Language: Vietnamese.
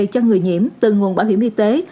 cho người nhiễm từ nguồn bảo hiểm y tế